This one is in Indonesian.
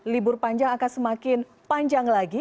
libur panjang akan semakin panjang lagi